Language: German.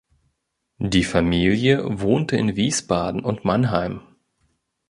Die Familie wohnte in Wiesbaden und Mannheim.